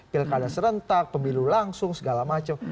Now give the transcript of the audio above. pilkada serentak pemilu langsung segala macam